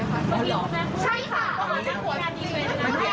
การเมื่อเฉยคือการไม่